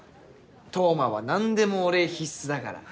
刀磨は何でもお礼必須だからな。